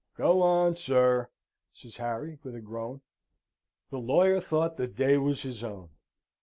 "Go on, sir!" says Harry, with a groan. The lawyer thought the day was his own.